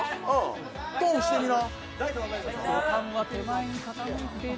トンしてみな。